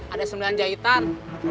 ada sembilan jahitan